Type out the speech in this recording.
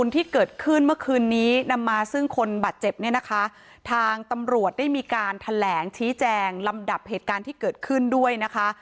ที่เกิดขึ้นเมื่อคืนนี้นำมาซึ่งคนบาดเจ็บเนี่ยนะคะทางตำรวจได้มีการแถลงชี้แจงลำดับเหตุการณ์ที่เกิดขึ้นด้วยนะคะ